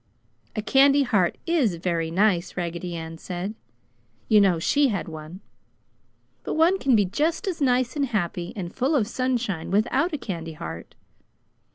"A candy heart is very nice!" Raggedy Ann said. (You know, she had one.) "But one can be just as nice and happy and full of sunshine without a candy heart."